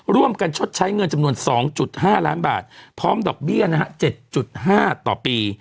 ชดใช้เงินจำนวน๒๕ล้านบาทพร้อมดอกเบี้ยนะฮะ๗๕ต่อปี